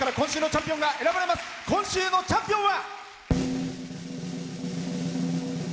今週のチャンピオンは。